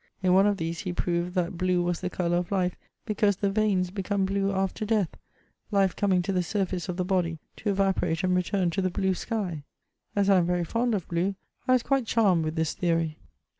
In one of these he proved that blue was the colour of life, because the veins become blue after death, life coming to the surface of the body to evaporate and return to the blue sky. As I am very fond of blue, I was quite charmed with this theory.